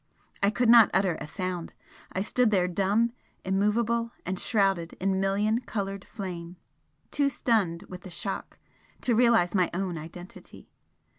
I could not utter a sound, I stood there dumb, immovable, and shrouded in million coloured flame, too stunned with the shock to realise my own identity.